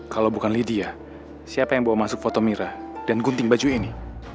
kalau bukan lydia siapa yang bawa masuk foto mira dan gunting baju ini